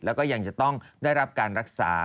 แล้วก็ยังจะต้องได้รับการรักษา